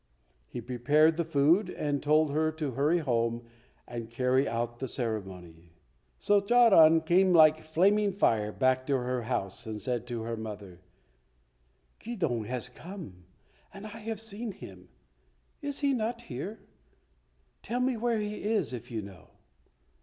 He prepared the food and told her to hurry home and carry out the ceremony. So Charan came like flaming fire back to her house, and said to her mother, "Keydong has come and I have seen him. Is he not here? Tell me where he is if you know."